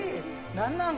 何なん？